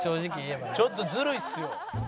ちょっとずるいっすよ。